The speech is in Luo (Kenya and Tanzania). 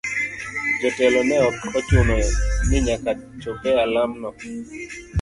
Jo telo ne ok ochuno ni nyaka chop e alam no.